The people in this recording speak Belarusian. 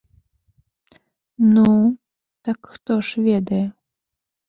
Ну, так хто ж ведае?